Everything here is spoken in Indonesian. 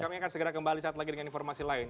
kami akan segera kembali saat lagi dengan informasi lain